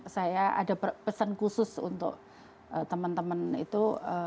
saya ada pesan khusus untuk teman teman itu